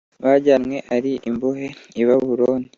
bajyanywe ari imbohe I babuloni